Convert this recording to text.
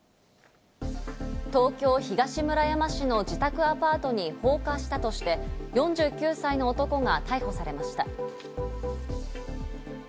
東京・東村山市の自宅アパートに放火したとして、４９歳の男が逮捕されました。